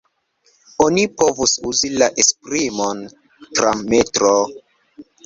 Oni povus uzi la esprimon tram-metroo.